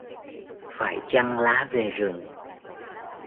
Phải chăng lá về rừng